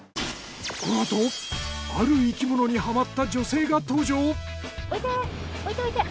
このあとある生き物にハマった女性が登場。